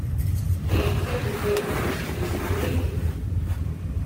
The effect of homework is debated.